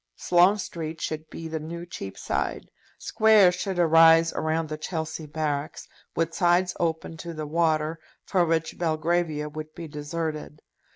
Sloane Street should be the new Cheapside. Squares should arise around the Chelsea barracks, with sides open to the water, for which Belgravia would be deserted.